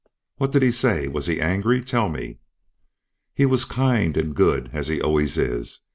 "What did he say? Was he angry? Tell me." "He was kind and good as he always is.